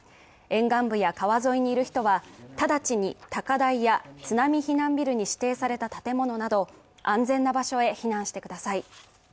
沿岸部や川沿いにいる人は直ちに高台や津波避難ビルに指定された建物など安全な場所へ避難してください。